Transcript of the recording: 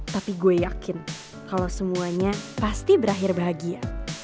tapi gue yakin kalau semuanya pasti berakhir bahagia